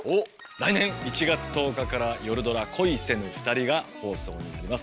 来年１月１０日からよるドラ「恋せぬふたり」が放送になります。